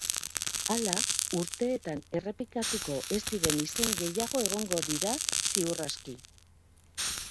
Hala, urteetan errepikatuko ez diren izen gehiago egongo dira, ziur aski.